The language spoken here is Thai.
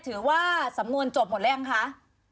ถือว่าสำนวนจบหมดแล้วยังคะ